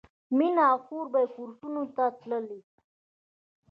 مینه او خور به یې کورسونو ته تللې